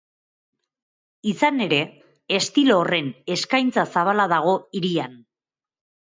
Izan ere, estilo horren eskaintza zabala dago hirian.